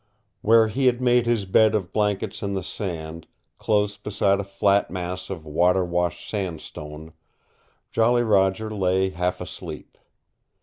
Where he had made his bed of blankets in the sand, close beside a flat mass of water washed sandstone, Jolly Roger lay half asleep.